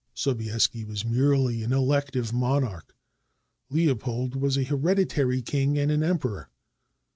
Sobieski was merely an elective monarch. Leopold was a hereditary king and an emperor.